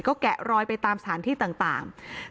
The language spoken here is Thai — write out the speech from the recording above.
ก็แกะรอยไปตามสถานที่ต่าง